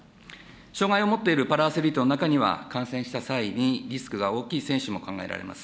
障害を持っているパラアスリートの中には、感染した際にリスクが大きい選手も考えられます。